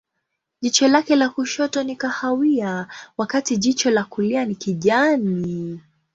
Jicho lake la kushoto ni kahawia, wakati jicho la kulia ni kijani.